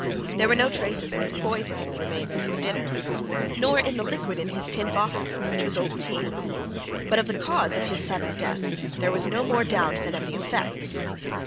There were no traces of the poison in the remains of his dinner, nor in the liquid in his tin bottle, which was old tea. But of the cause of his sudden death there was no more doubt than of the effects.